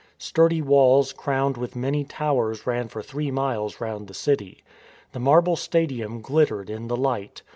Sturdy walls crowned with many towers ran for three miles round the city. The marble stadium glittered in the light.